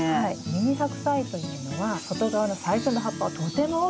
ミニハクサイというのは外側の最初の葉っぱはとても大きく育つんです。